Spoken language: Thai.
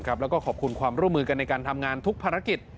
แล้วก็ขอบคุณความร่วมมือกันในการทำงานทุกภารกิจ